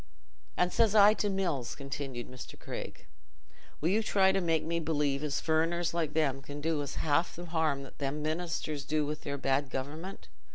"And says I to Mills," continued Mr. Craig, "'Will you try to make me believe as furriners like them can do us half th' harm them ministers do with their bad government?